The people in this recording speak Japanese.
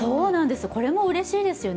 これもうれしいですよね。